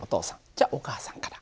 じゃお母さんから。